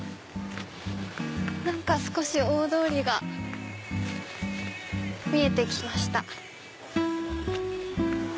何か少し大通りが見えて来ました。